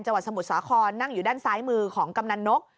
สมุทรสาครนั่งอยู่ด้านซ้ายมือของกำนันนก